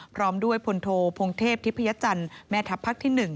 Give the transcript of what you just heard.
พร้อมด้วยพลโทพงเทพทิพยจันทร์แม่ทัพภาคที่๑